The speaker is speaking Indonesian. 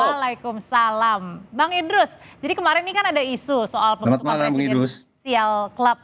waalaikumsalam bang idrus jadi kemarin ini kan ada isu soal penutupan presidensial club